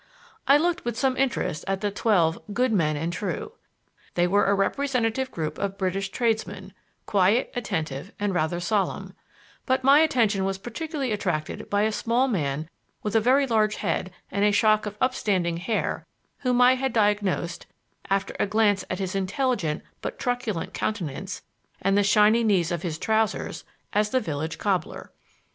I looked with some interest at the twelve "good men and true." They were a representative group of British tradesmen, quiet, attentive, and rather solemn; but my attention was particularly attracted by a small man with a very large head and a shock of upstanding hair whom I had diagnosed, after a glance at his intelligent but truculent countenance and the shiny knees of his trousers, as the village cobbler.